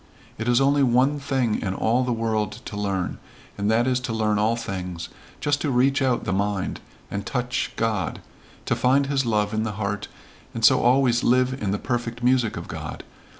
It is only one thing in all the world to learn, and that is to learn all things, just to reach out the mind, and touch God to find his love in the heart and so always live in the perfect music of God.